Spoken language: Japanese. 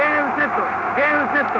ゲームセット！